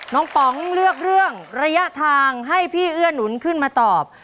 ป๋องเลือกเรื่องระยะทางให้พี่เอื้อหนุนขึ้นมาตอบ